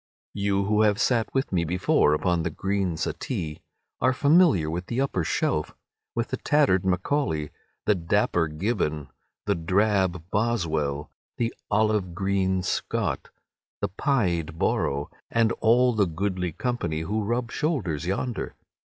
You who have sat with me before upon the green settee are familiar with the upper shelf, with the tattered Macaulay, the dapper Gibbon, the drab Boswell, the olive green Scott, the pied Borrow, and all the goodly company who rub shoulders yonder.